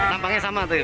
nampaknya sama tuh